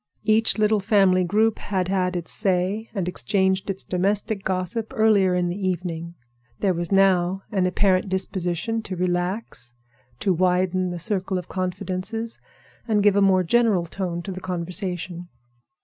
Each little family group had had its say and exchanged its domestic gossip earlier in the evening. There was now an apparent disposition to relax; to widen the circle of confidences and give a more general tone to the conversation.